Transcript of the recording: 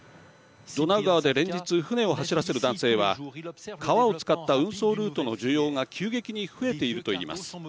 ドナウ川で連日、船を走らせる男性は川を使った運送ルートの需要が急激に増えているといいます。